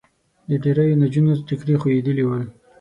د ډېریو نجونو ټیکري خوېدلي ول.